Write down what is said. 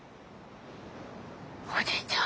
おじいちゃん